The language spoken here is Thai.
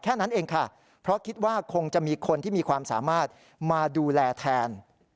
แค่นั้นเองค่ะเพราะคิดว่าคงจะมีคนที่มีความสามารถมาดูแลแทน